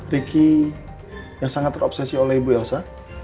ricky yang sangat terobsesi oleh ibu elsa